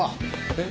えっ？